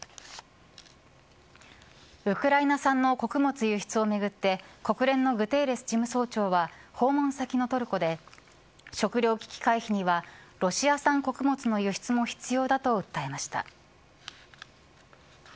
ウクライナ産の穀物輸出をめぐって国連のグテーレス事務総長は訪問先のトルコで食糧危機回避にはロシア産穀物の輸出も必要だと訴えました。